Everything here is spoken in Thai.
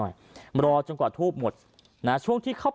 หญิงบอกว่าจะเป็นพี่ปวกหญิงบอกว่าจะเป็นพี่ปวก